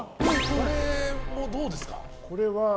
これもどうですか？